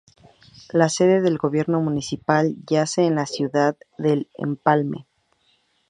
La sede del gobierno municipal yace en la ciudad de Empalme.